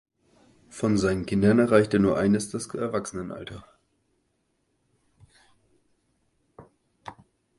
Von seinen Kindern erreichte nur eines das Erwachsenenalter.